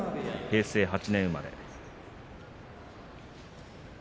平成８年生まれ。